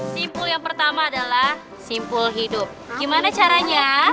simpul yang pertama adalah simpul hidup gimana caranya